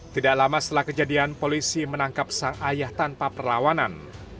tidak lama setelah kejadian polisi menangkap sang ayah tanpa perlawanan